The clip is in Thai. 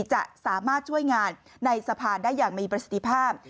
จะสามารถช่วยงานในสะพานได้อย่างมีประสิทธิภาพ